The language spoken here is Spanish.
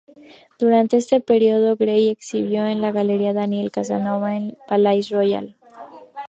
Durante este periodo Gray exhibió en la Galería Daniel Casanova en el Palais Royal.